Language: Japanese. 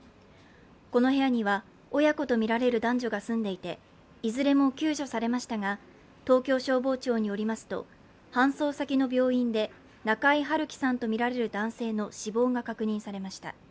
この部屋には親子とみられる男女が住んでいていずれも救助されましたが東京消防庁によりますと搬送先の病院で中居春樹さんとみられる男性の死亡が確認されました。